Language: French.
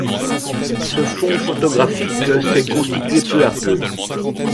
Ce fonds photographique s'est constitué peu à peu.